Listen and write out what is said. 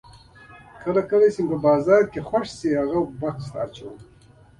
کله کله چې مې بازار کې څه خوښ شي هغه بکس ته اچوم.